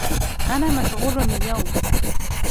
أنا مشغول اليوم.